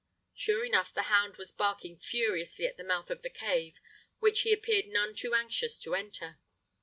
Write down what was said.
Sure enough the hound was barking furiously at the mouth of the cave, which he appeared none too anxious to enter.